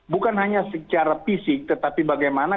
bukan hanya secara fisik tetapi bagaimana